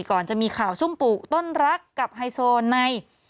ก่อนจะมีข่าวซุ่มปลูกต้นรักกับไฮโซใน